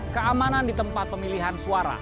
keamanan di tempat pemilihan suara